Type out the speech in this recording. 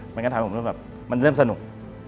มันก็ทำให้ผมรู้ว่ามันเริ่มสนุก